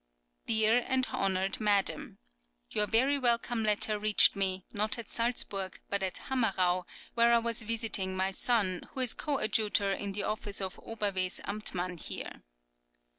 [10030] Dear and honoured Madam, Your very welcome letter reached me, not at Salzburg, but at Hammerau, where I was visiting my son, who is coadjutor in the office of Oberwesamtmann there.